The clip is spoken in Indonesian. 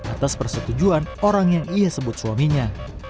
atas persetujuan orang yang ia sebut suaminya